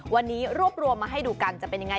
วันนี้รวบรวมมาให้ดูกันจะเป็นยังไง